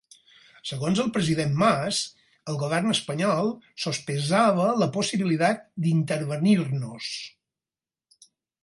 Segons el president Mas, el Govern espanyol sospesava la possibilitat d'intervenir-nos.